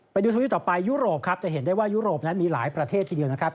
ไปดูทวิตต่อไปยุโรปครับจะเห็นได้ว่ายุโรปนั้นมีหลายประเทศทีเดียวนะครับ